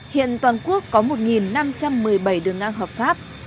hiện toàn quốc có một năm trăm một mươi bảy đường ngang hợp pháp